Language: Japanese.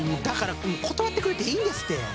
だから断ってくれていいんですって！